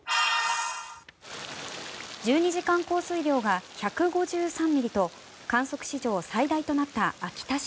１２時間降水量が１５３ミリと観測史上最大となった秋田市。